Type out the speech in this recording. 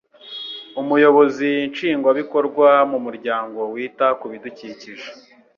Umuyobozi nshingwabikorwa mu Muryango wita kubidukikije